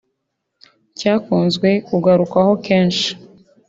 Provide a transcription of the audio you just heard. cyakunzwe kugarukwaho kenshi